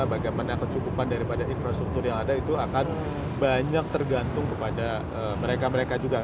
bagaimana kecukupan daripada infrastruktur yang ada itu akan banyak tergantung kepada mereka mereka juga